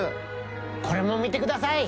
これも見てください。